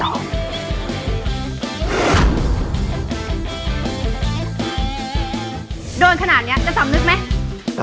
โดนขนาดนี้จะสำนึกไหม